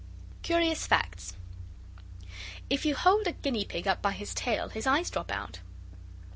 CURIOUS FACTS If you hold a guinea pig up by his tail his eyes drop out.